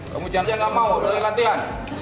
kamu jangan dia nggak mau berlatih latihan